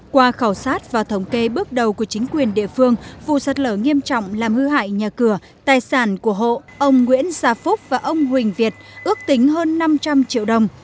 qua khảo sát và thống kê bước đầu của chính quyền địa phương vụ sạt lở nghiêm trọng làm hư hại nhà cửa tài sản của hộ ông nguyễn xà phúc và ông huỳnh việt ước tính hơn năm trăm linh triệu đồng